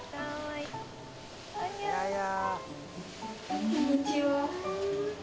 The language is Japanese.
こんにちは。